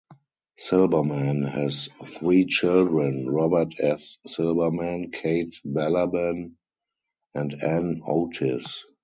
Silberman has three children, Robert S. Silberman, Kate Balaban, and Anne Otis.